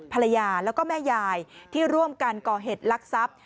ภรรยาแล้วก็แม่ยายที่ร่วมกันก่อเหตุลักษัพ